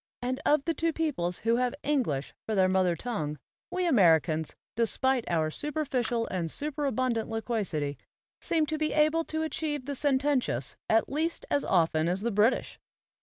And of the two peoples who have English for their mother tongue, we Americans, despite our superficial and superabundant loquacity, seem to be able to achieve the sententious at least as often as the British.